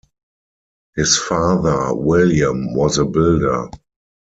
His father, William, was a builder.